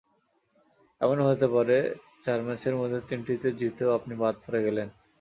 এমনও হতে পারে, চার ম্যাচের মধ্যে তিনটিতে জিতেও আপনি বাদ পড়ে গেলেন।